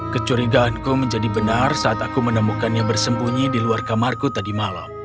kecurigaanku menjadi benar saat aku menemukannya bersembunyi di luar kamarku tadi malam